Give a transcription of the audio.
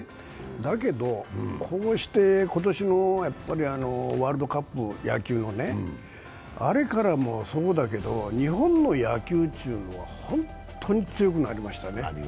だけど、こうして今年もワールドカップ、野球ね、あれからもそうだけど、日本の野球ちゅうのは本当に強くなりましたね。